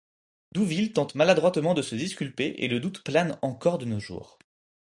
Douville tente maladroitement de se disculper et le doute plane encore de nos jours.